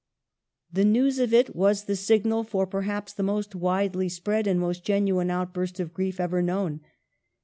The news of it was the signal for, perhaps, the most widely spread and most genuine outburst of grief ever known.